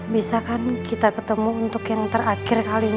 bisa kan kita ketemu untuk yang terakhir kalinya